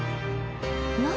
何？